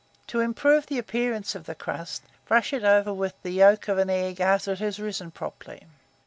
To improve the appearance of the crust, brush it over with the yolk of an egg after it has risen properly.